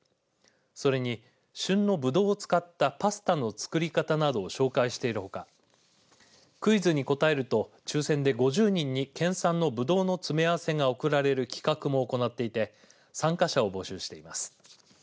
それに、旬のぶどうを使ったパスタの作り方などを紹介しているほかクイズに答えると抽せんで５０人に県産のぶどうの詰め合わせが贈られる企画も行っていて参加者を募集しています。